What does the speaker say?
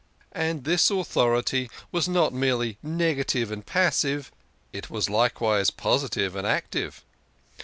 And this authority was not merely negative and passive, it was likewise positive and active.